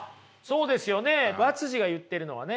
和が言ってるのはね